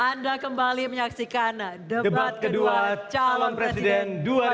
anda kembali menyaksikan debat kedua calon presiden dua ribu sembilan belas